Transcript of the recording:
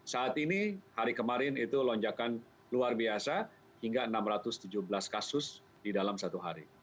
saat ini hari kemarin itu lonjakan luar biasa hingga enam ratus tujuh belas kasus di dalam satu hari